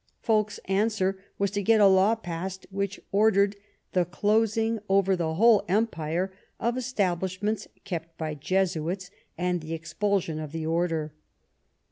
Falk's answer was to get a law passed which ordered the closing over the whole Empire of estab Hshments kept by Jesuits, and the expulsion of the Order.